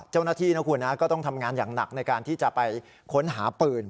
เจ้าหน้าที่นะคุณนะก็ต้องทำงานอย่างหนักในการที่จะไปค้นหาปืน